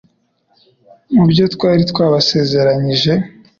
mu byo twari twabasezeranyije